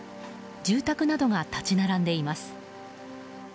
住宅などが立ち並んでいます。